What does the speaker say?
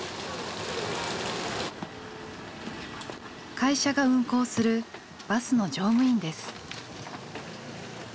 会社が運行するバスの乗務員です。